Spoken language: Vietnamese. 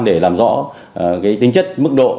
để làm rõ tính chất mức độ